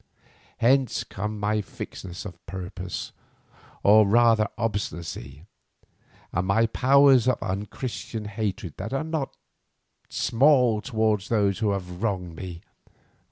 Hence come my fixedness of purpose or rather obstinacy, and my powers of unchristian hatred that are not small towards those who have wronged me.